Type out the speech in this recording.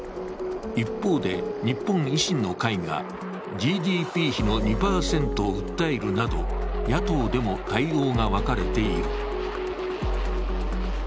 一方で日本維新の会がＧＤＰ比の２％を訴えるなど、野党でも対応が分かれている。